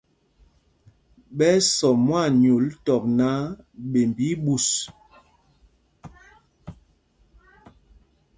Ɓɛ́ ɛ́ sɔ mwaanyûl tɔp náǎ, ɓemb í í ɓus.